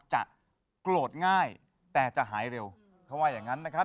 จะโกรธง่ายแต่จะหายเร็วเขาว่าอย่างนั้นนะครับ